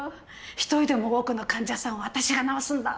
一人でも多くの患者さんをあたしが治すんだ！